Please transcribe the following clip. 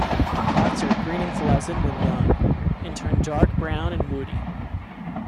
The pods are green and flaccid when young and turn dark-brown and woody.